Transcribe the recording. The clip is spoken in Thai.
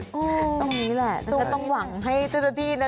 ตรงนี้แหละแต่ฉันต้องหวังให้เจ้าตัดีนะ